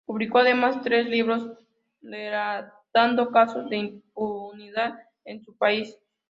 Publicó además tres libros relatando casos de impunidad en su país.